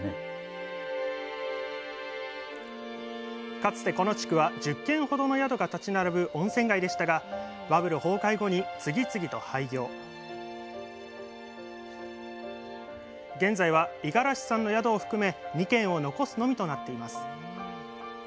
かつてこの地区は１０軒ほどの宿が立ち並ぶ温泉街でしたが現在は五十嵐さんの宿を含め２軒を残すのみとなっています。